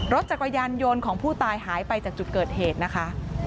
รถจักรยานยนต์ของผู้ตายหายไปจากจุดเกิดเหตุนะคะ